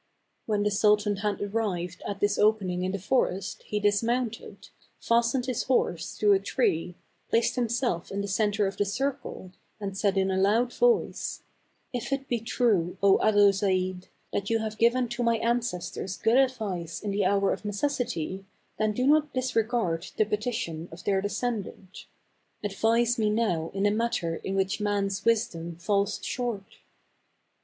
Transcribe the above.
When the sultan had arrived at this opening in the forest he dismounted, fastened his horse to a tree, placed himself in the center of the circle, and said in a loud voice, " If it be true, 0 Adolzaide, that you have given to my ancestors good advice in the hour of necessity, then do not disregard the petition of their descendant. Advise me now in a matter in which man's wis dom falls short."